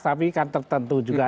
tapi kan tertentu juga